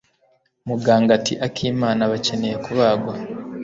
Muganga ati Akimana bakeneye kubagwa.